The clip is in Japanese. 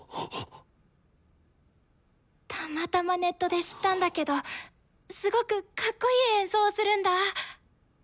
たまたまネットで知ったんだけどすごくかっこいい演奏をするんだ。